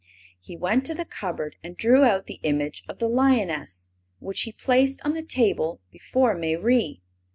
He went to the cupboard and drew out the image of the lioness, which he placed on the table before Mayrie.